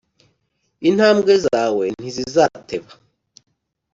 intambwe zawe ntizizateba.